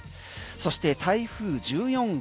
そして台風１４号。